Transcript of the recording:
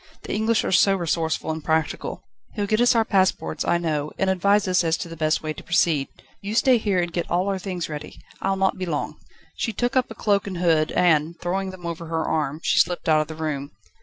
The English are so resourceful and practical. He'll get us our passports, I know, and advise us as to the best way to proceed. Do you stay here and get all our things ready. I'll not be long." She took up a cloak and hood, and, throwing them over her arm, she slipped out of the room.